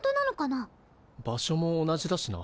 場所も同じだしな。